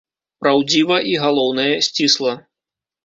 Праўдзіва і, галоўнае, сцісла.